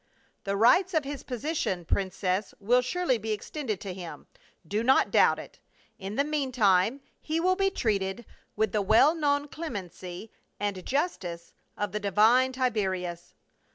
"The rights of his position, princess, will surely be extended to him ; do not doubt it. In the meantime he will be treated with the well known clemency and justice of the divine Tiberius."